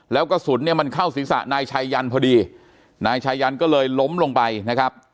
แล้วกระสุนเนี่ยมันเข้าศีรษะนายชัยยันพอดีนายชายันก็เลยล้มลงไปนะครับ